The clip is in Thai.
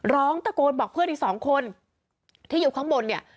ร้องตะโกนบอกเพื่อนอีกสองคนที่อยู่ข้างบนเนี่ย